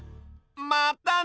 まったね！